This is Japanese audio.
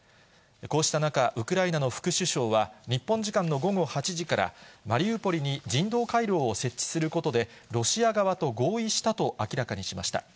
こうした中、ウクライナの副首相は、日本時間の午後８時からマリウポリに人道回廊を設置することで、ロシア側と合意したと明らかにしました。